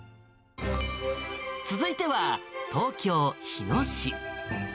続いては、東京・日野市。